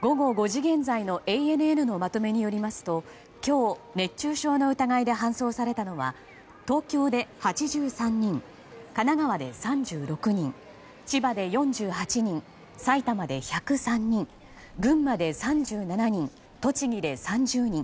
午後５時現在のＡＮＮのまとめによりますと今日、熱中症の疑いで搬送されたのは東京で８３人、神奈川で３６人千葉で４８人、埼玉で１０３人群馬で３７人、栃木で３０人